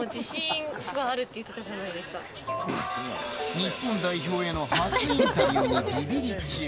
日本代表への初インタビューにビビリ中。